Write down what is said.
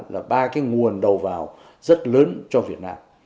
là ba cái nguồn đầu vào rất lớn cho việt nam